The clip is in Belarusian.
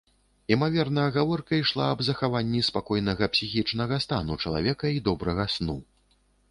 Імаверна, гаворка ішла аб захаванні спакойнага псіхічнага стану чалавека і добрага сну.